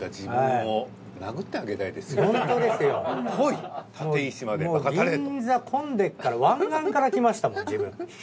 もう銀座混んでっから湾岸から来ましたもん自分。